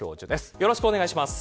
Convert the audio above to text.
よろしくお願いします。